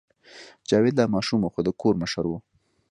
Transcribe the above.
جاوید لا ماشوم و خو د کور مشر و